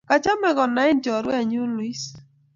Kachame konain chorwenyu Luis